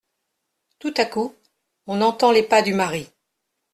Tout à coup on entend les pas du mari.